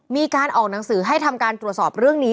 มีการออกหนังสือให้ทำการตรวจสอบเรื่องนี้